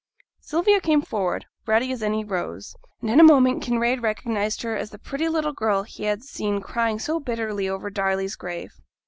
Sylvia came forwards, ruddy as any rose, and in a moment Kinraid recognized her as the pretty little girl he had seen crying so bitterly over Darley's grave.